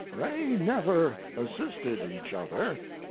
"They never assisted each other.